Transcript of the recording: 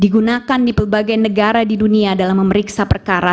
digunakan di berbagai negara di dunia dalam memeriksa perkara